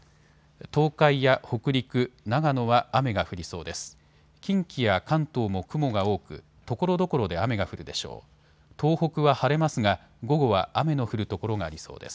東海や北陸、長野は雨が降りそうです。